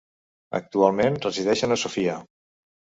Actualment resideixen a Sofia.